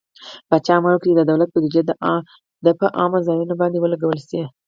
پاچا امر وکړ چې د دولت بودجې د په عامه ځايونو باندې ولګول شي.